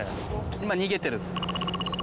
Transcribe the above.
今逃げてるっす。